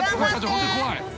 本当に怖い。